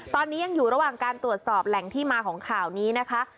ตอนนี้ยังอยู่ระหว่างการตรวจสอบแหล่งที่มาของข่าวนี้นะคะ